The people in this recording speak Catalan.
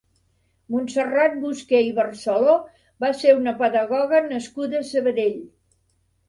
Montserrat Busqué i Barceló va ser una pedagoga nascuda a Sabadell.